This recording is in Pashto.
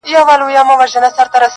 نور به د پانوس له رنګینیه ګیله نه کوم٫